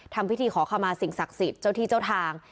ทำพิธีขอขมาสิ่งศักดิ์สิทธิ์เจ้าที่เจ้าทาง